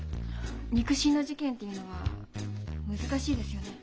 肉親の事件というのは難しいですよね。